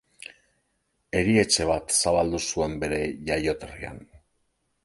Erietxe bat zabaldu zuen bere jaioterrian.